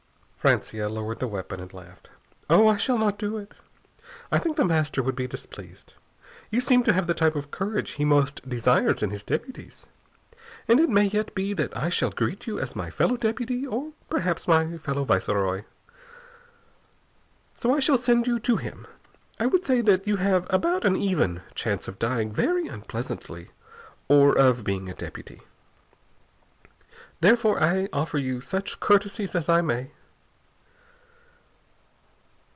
Francia lowered the weapon and laughed. "Oh, I shall not do it. I think The Master would be displeased. You seem to have the type of courage he most desires in his deputies. And it may yet be that I shall greet you as my fellow deputy or perhaps my fellow viceroy. So I shall send you to him. I would say that you have about an even chance of dying very unpleasantly or of being a deputy. Therefore I offer you such courtesies as I may."